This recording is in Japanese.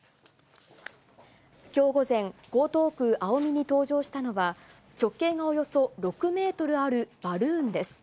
きょう午前、江東区青海に登場したのは、直径がおよそ６メートルあるバルーンです。